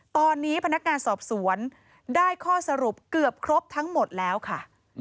ตอนนี้พนักงานสอบสวนได้ข้อสรุปเกือบครบทั้งหมดแล้วค่ะ